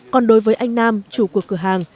còn đối với anh nam chủ của cửa hàng